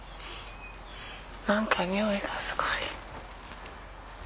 何か匂いがすごい。